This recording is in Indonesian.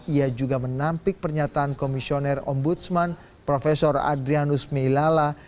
ia juga menampik pernyataan komisioner ombudsman prof adrianus meilala